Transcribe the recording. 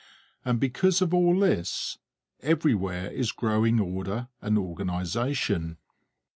And because of all this, everywhere is growing order and organization.